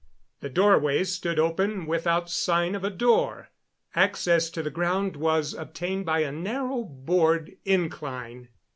The doorways stood open without sign of a door; access to the ground was obtained by a narrow board incline.